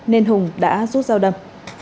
nên hùng đã rút dao đâm